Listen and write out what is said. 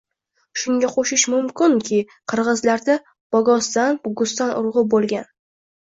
Shunga qo‘shish mumkinki, qirg‘izlarda bogostan-bugustan urug‘i bo‘lgan